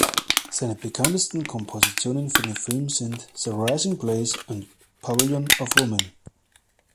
Seine bekanntesten Kompositionen für den Film sind "The Rising Place" und "Pavilion of Women".